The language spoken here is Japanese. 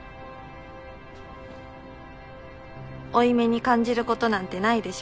負い目に感じることなんてないでしょ？